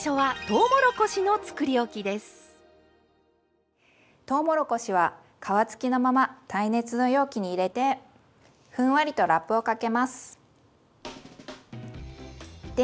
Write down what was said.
とうもろこしは皮付きのまま耐熱の容器に入れてふんわりとラップをかけます。